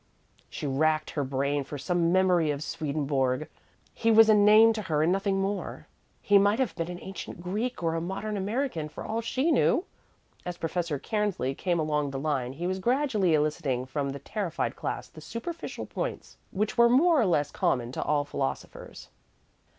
She racked her brain for some memory of Swedenborg. He was a name to her and nothing more. He might have been an ancient Greek or a modern American, for all she knew. As Professor Cairnsley came along the line he was gradually eliciting from the terrified class the superficial points which were more or less common to all philosophers.